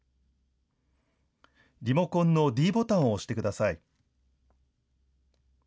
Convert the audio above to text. リモコンのｄボタンを押してください。